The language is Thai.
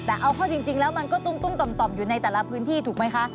แต่เอาเข้าจริงแล้วมันก็ตุ้มต่อมอยู่ในแต่ละพื้นที่ถูกไหมคะ